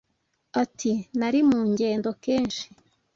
ati: “Nari mu ngendo kenshi